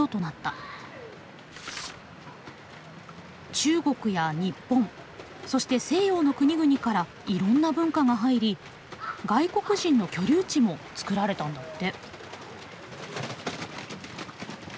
中国や日本そして西洋の国々からいろんな文化が入り外国人の居留地もつくられたんだって。